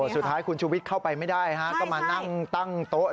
สุดท้ายคุณชูวิทย์เข้าไปไม่ได้ก็มานั่งตั้งโต๊ะ